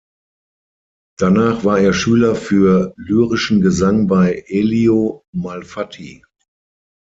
Danach war er Schüler für lyrischen Gesang bei Elio Malfatti.